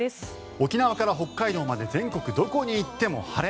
沖縄から北海道まで全国どこに行っても晴れ。